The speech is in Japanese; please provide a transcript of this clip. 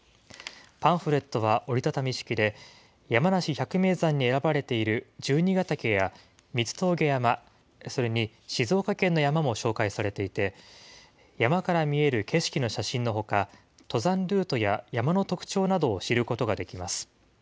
パンフレットは折り畳み式で、山梨百名山に選ばれている十二ヶ岳や、三ツ峠山、それに静岡県の山も紹介されていて、山から見える景色の写真のほか、登山ルートや山の特徴などを知ることができます。